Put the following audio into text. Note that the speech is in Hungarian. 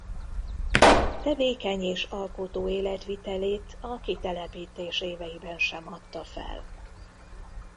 Tevékeny és alkotó életvitelét a kitelepítés éveiben sem adta fel.